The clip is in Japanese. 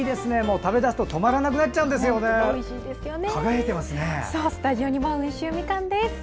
食べだすと止まらなくなっちゃうんですよね。